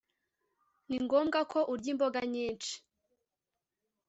Ni ngombwa ko urya imboga nyinshi